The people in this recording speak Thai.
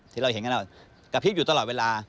ที่เราเห็นกันกระพริบอยู่ตลอดเวลา